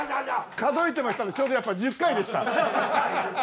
数えてましたらちょうどやっぱり１０回でした。